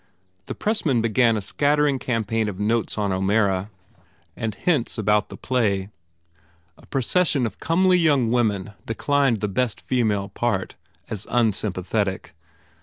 The pressmen began a scattering campaign of notes on O Mara and hints about the play. A procession of comely young women declined the best female part as "unsympathetic."